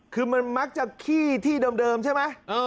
คือมันมักจะขี้ที่เดิมใช่ไหม